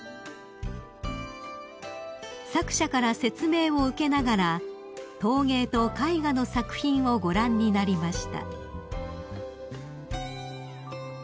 ［作者から説明を受けながら陶芸と絵画の作品をご覧になりました］